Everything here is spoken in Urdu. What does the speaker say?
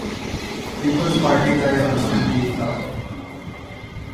پیپلز پارٹی کا یا مسلم لیگ کا؟